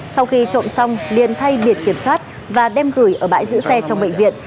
sau khi trộm xong liền thay biệt kiểm soát và đem gửi ở bãi giữ xe trong bệnh viện